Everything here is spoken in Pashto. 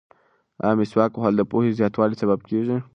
ایا مسواک وهل د پوهې د زیاتوالي سبب کیږي؟